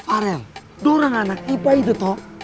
arel dua orang anak ipa itu toh